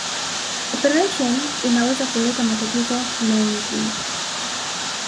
Operesheni inaweza kuleta matatizo mengi